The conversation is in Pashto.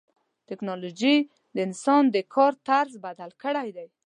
ټکنالوجي د انسان د کار طرز بدل کړی دی.